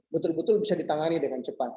betul betul bisa ditangani dengan cepat